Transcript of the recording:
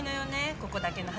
ここだけの話。